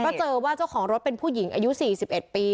ก็เจอว่าเจ้าของรถเป็นผู้หญิงอายุ๔๑ปี